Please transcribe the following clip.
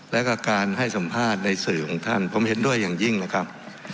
แล้วก็การให้สัมภาษณ์ในสื่อของท่านผมเห็นด้วยอย่างยิ่งเลยครับ